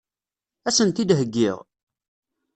Ad sen-t-id-heggiɣ?